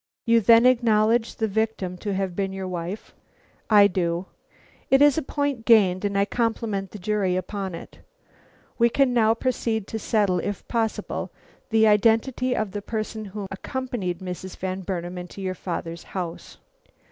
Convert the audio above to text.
"You then acknowledge the victim to have been your wife?" "I do." "It is a point gained, and I compliment the jury upon it. We can now proceed to settle, if possible, the identity of the person who accompanied Mrs. Van Burnam into your father's house."